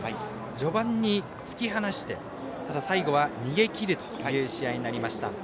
序盤に突き放して、最後は逃げきるという試合になりました。